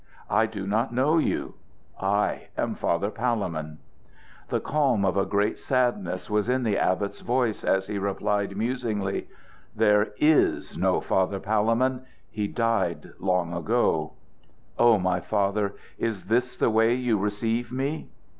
"I do not know you." "I am Father Palemon." The calm of a great sadness was in the abbot's voice, as he replied, musingly: "There is no Father Palemon: he died long ago." "Oh, my father! Is this the way you receive me?"